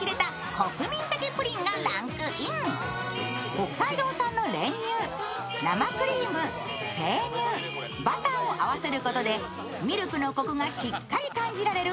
北海道産の練乳、生クリーム、生乳、バターを合わせることでミルクのコクがしっかりと感じられる